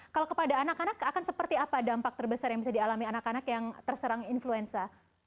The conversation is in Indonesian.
kalau kepada anak anak akan seperti apa dampak terbesar yang bisa dialami anak anak yang terserang influenza